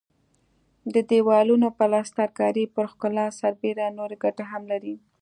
د دېوالونو پلستر کاري پر ښکلا سربېره نورې ګټې هم لري.